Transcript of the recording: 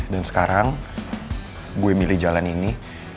dan sekarang gue milih jalan ini